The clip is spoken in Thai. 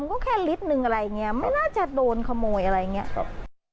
ก็แค่ลิตรหนึ่งอะไรอย่างเงี้ยไม่น่าจะโดนขโมยอะไรอย่างนี้ครับ